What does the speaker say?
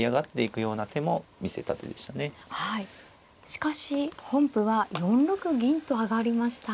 しかし本譜は４六銀と上がりました。